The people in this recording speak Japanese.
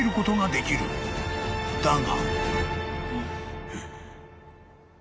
［だが］